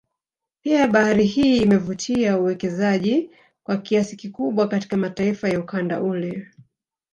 Pia bahari hii imevutia uwekezaji kwa kiasi kikubwa katika mataifa ya ukanda ule